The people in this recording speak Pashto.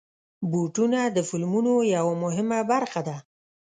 بوټونه د فلمونو یوه مهمه برخه ده.